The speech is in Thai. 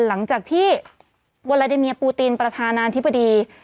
หลังจากที่วาลาเดเมียปูตินประธานาธิบดี